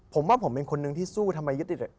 ผมว่าผมเป็นคนหนึ่งที่สู้ทำหายุติศักดิ์